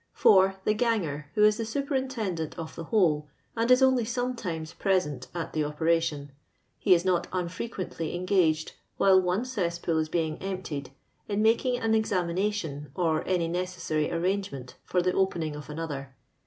4. The ganger, who is the superintendent of the whole, and is only sometimes present at the operation ; he is not unfirequently engaged, while one cesspool is being emptied, in making an examination or any necessary arrangement for the opening of another.